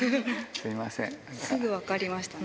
すぐ分かりましたね。